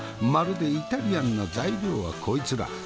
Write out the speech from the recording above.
まるでイタリアンな材料はこいつら。